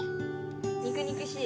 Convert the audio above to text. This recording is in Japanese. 肉肉しい。